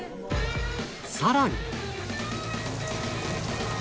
さらに